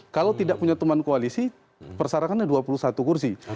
kalau tidak punya teman koalisi persyaratannya dua puluh satu kursi